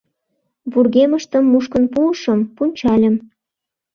— Вургемыштым мушкын пуышым, пунчальым.